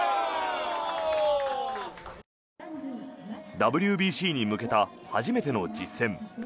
ＷＢＣに向けた初めての実戦。